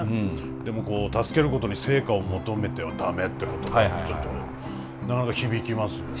でもこう助けることに成果を求めては駄目って言葉はちょっとなかなか響きますよね。